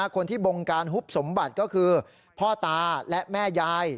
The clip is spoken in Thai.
คนที่บงการฮุบสมบัติก็คือพ่อตาและแม่ยาย